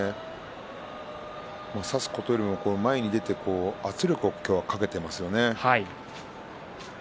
差すことよりも前に出て圧力を今日はかけていますよね。